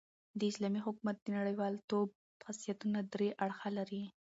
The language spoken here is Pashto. د اسلامي حکومت د نړۍوالتوب خاصیتونه درې اړخه لري.